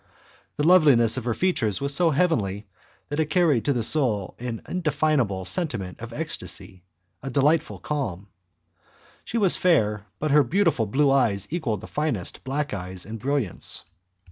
The loveliness of her features was so heavenly that it carried to the soul an indefinable sentiment of ecstacy, a delightful calm. She was fair, but her beautiful blue eyes equalled the finest black eyes in brilliance.